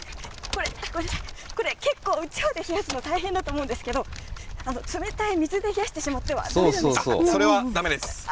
これ、結構うちわで冷やすの、大変だと思うんですけど、冷たい水で冷やしてしまってはだめなんでそれはだめです。